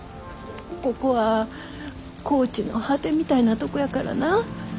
ここは高知の果てみたいなとこやからな。